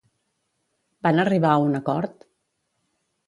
Van arribar a un acord?